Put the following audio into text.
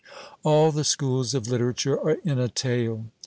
All the schools of literature are in a tale.